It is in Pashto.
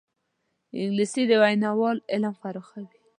انګلیسي د ویناوال علم پراخوي